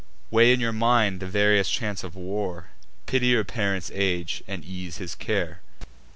Weigh in your mind the various chance of war; Pity your parent's age, and ease his care."